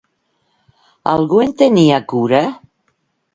Algú en tenia cura?